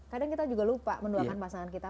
kadang kita juga lupa mendoakan pasangan kita